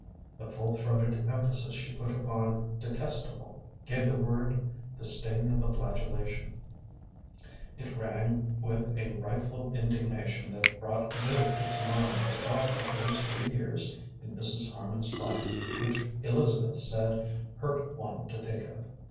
The full throated emphasis she put upon "detestable" gave the word the sting of a flagellation; it rang with a rightful indignation that brought vividly to my mind the thought of those three years in Mrs. Harman's life which Elizabeth said "hurt one to think of."